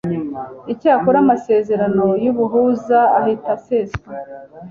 icyakora amasezerano y'ubuhuza ahita aseswa